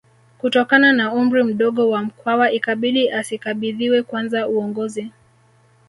Kutokana na umri mdogo wa Mkwawa ikabidi asikabidhiwe kwanza uongozi